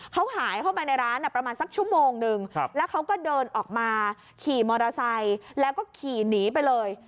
เขาหายเข้าไปในร้านประมาณสักชั่วโมงนึงแล้วเขาก็เดินออกมาขี่มอเตอร์ไซค์แล้วก็ขี่หนีไปเลย